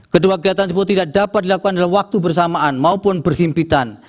kedua kegiatan tersebut tidak dapat dilakukan dalam waktu bersamaan maupun berhimpitan